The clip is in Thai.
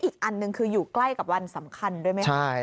อีกอันหนึ่งคืออยู่ใกล้กับวันสำคัญด้วยไหมครับ